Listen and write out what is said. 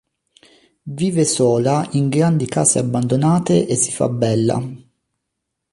Vive sola in grandi case abbandonate e si fa bella.